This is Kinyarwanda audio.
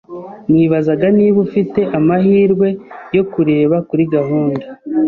Nibazaga niba ufite amahirwe yo kureba kuri gahunda.